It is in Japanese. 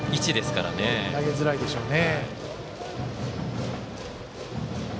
投げづらいでしょうね。